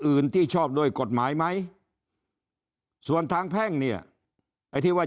อื่นที่ชอบด้วยกฎหมายไหมส่วนทางแพ่งเนี่ยไอ้ที่ว่า